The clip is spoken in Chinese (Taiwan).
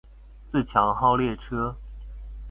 自強號列車